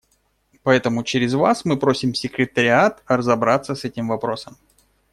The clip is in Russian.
Поэтому через Вас мы просим секретариат разобраться с этим вопросом.